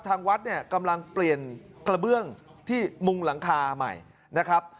ทางวัดเนี่ยกำลังเปลี่ยนกระเบื้องที่มุงหลังคาใหม่นะครับ